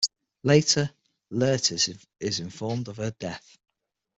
Later, Laertes is informed of her death.